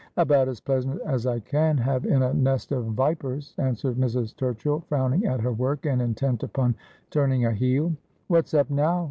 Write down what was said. ' About as pleasant as I can have in a nest of vipers,' an swered Mrs. Turchill, frowning at her work, and intent upon turning a heel. 'What's up now?'